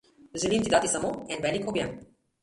Želim ti dati samo en veliko objem!